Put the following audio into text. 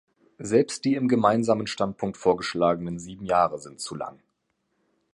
Selbst die im Gemeinsamen Standpunkt vorgeschlagenen sieben Jahre sind zu lang.